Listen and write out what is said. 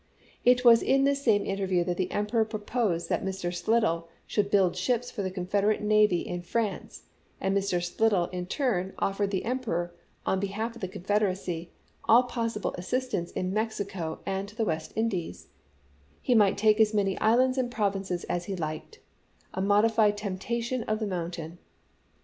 It was in this same interview that the Emperor proposed that Mr. Shdell should build ships for the Confederate naYj in France, and Mr. Shdell in turn offered the Emperor, on behalf of the Confederacy, all possible assistance in Mexico and the West Indies; he might take as many islands and provinces as he liked — a t modified Temptation of the Mountain.